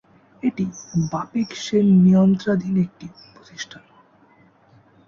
এটি বাপেক্স-এর নিয়ন্ত্রণাধীন একটি প্রতিষ্ঠান।